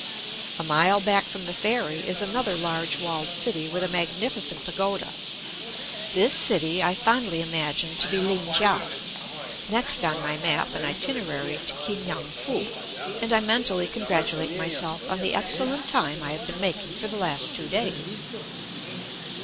A mile back from the ferry is another large walled city with a magnificent pagoda; this city I fondly imagine to be Lin kiang, next on my map and itinerary to Ki ngan foo, and I mentally congratulate myself on the excellent time I have been making for the last two days.